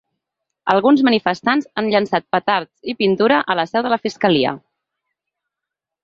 Alguns manifestants han llençat petards i pintura a la seu de la fiscalia.